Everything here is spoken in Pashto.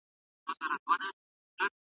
وقایه تر درملني غوره ده.